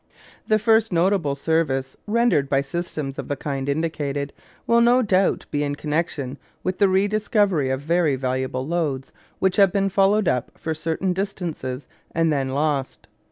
The first notable service rendered by systems of the kind indicated will no doubt be in connection with the rediscovery of very valuable lodes which have been followed up for certain distances and then lost.